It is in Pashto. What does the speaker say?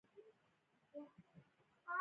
زلمی خان: دوی خپل ټوپکونه غورځوي.